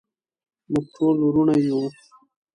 موږ ټول ورونه یو.